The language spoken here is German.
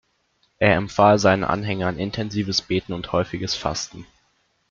Er empfahl seinen Anhängern intensives Beten und häufiges Fasten.